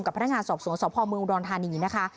พนักงานสอบสวนสพเมืองอุดรธานีนะคะ